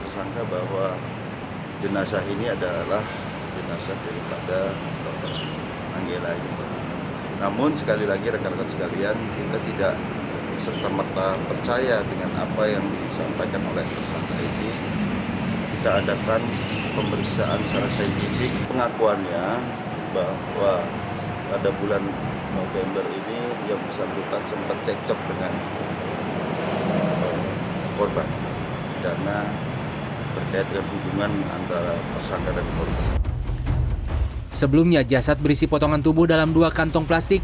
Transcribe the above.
sebelumnya jasad berisi potongan tubuh dalam dua kantong plastik